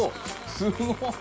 すごい！